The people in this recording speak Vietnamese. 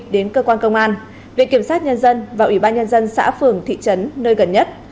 đến cơ quan công an viện kiểm sát nhân dân và ủy ban nhân dân xã phường thị trấn nơi gần nhất